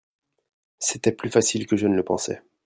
C'était plus facile que je ne le pensais.